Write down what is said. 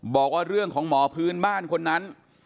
บอกว่าเรื่องของหมอพื้นบ้านคนนั้น